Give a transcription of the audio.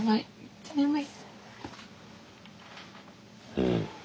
うん。